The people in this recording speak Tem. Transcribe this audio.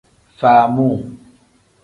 Faamuu.